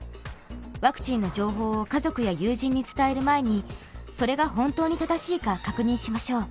ワクチンの情報を家族や友人に伝える前にそれが本当に正しいか確認しましょう。